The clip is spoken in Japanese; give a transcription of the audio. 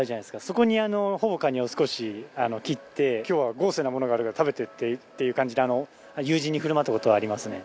そこにほぼカニを少し切って「今日は豪勢なものがあるから食べて」っていう感じで友人に振る舞った事はありますね。